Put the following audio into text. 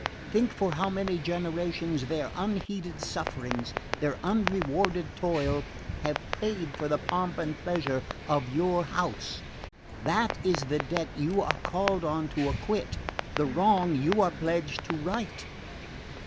Think for how many generations their unheeded sufferings, their unrewarded toil, have paid for the pomp and pleasure of your house! That is the debt you are called on to acquit, the wrong you are pledged to set right."